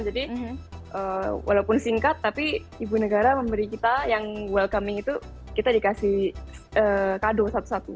jadi walaupun singkat tapi ibu negara memberi kita yang welcoming itu kita dikasih kado satu satu